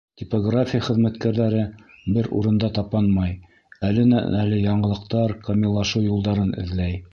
Типография хеҙмәткәрҙәре бер урында тапанмай: әленән-әле яңылыҡтар, камиллашыу юлдарын эҙләй.